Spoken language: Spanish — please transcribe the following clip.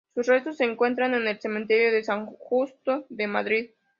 Sus restos se encuentran en el cementerio de San Justo de Madrid.